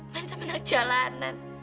main sama anak jalanan